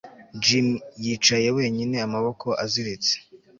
Jim yicaye wenyine amaboko aziritse